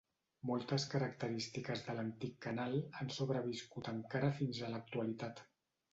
Moltes característiques de l'antic canal han sobreviscut encara fins a l'actualitat.